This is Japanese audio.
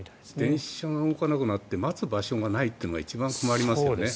電車の運行がなくなって待つ場所がないというのが一番困りますよね。